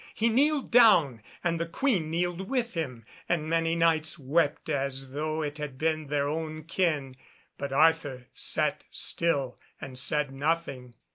He kneeled down, and the Queen kneeled with him, and many Knights wept as though it had been their own kin. But Arthur sat still and said nothing.